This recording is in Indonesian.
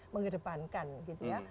mengedepankan gitu ya